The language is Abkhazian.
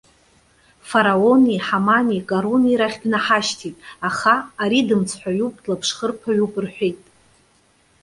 Фараони, Ҳамани, Каруни рахь днаҳашьҭит. Аха:- Ари дымцҳәаҩуп, длаԥшхырԥаҩуп!- рҳәеит.